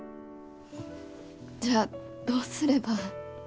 じゃあどうすれば？